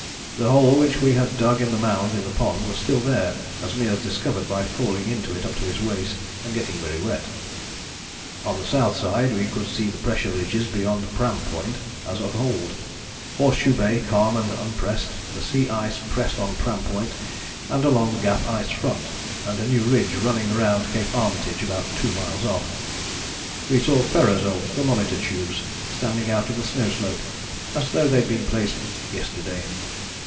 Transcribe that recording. The hole which we had dug in the mound in the pond was still there, as Meares discovered by falling into it up to his waist, and getting very wet. "On the south side we could see the pressure ridges beyond Pram Point as of old Horseshoe Bay calm and unpressed the sea ice pressed on Pram Point and along the Gap ice front, and a new ridge running around C. Armitage about 2 miles off. We saw Ferrar's old thermometer tubes standing out of the snow slope as though they'd been placed yesterday.